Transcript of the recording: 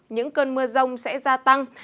những cơn mưa rông sẽ gia tăng